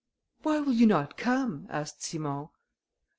"Why will you not come?" asked Simon.